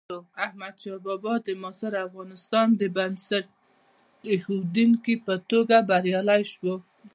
احمدشاه بابا د معاصر افغانستان د بنسټ ایښودونکي په توګه بریالی شو.